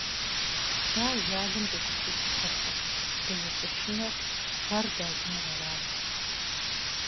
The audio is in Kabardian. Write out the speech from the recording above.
Дэ ажалым дегупсысыххэртэкъым, дызыщышынэр гъэр дащӀыныр арат.